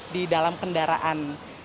di dalam kendaraan